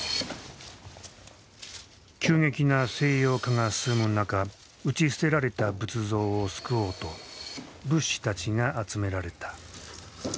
急激な西洋化が進む中打ち捨てられた仏像を救おうと仏師たちが集められた。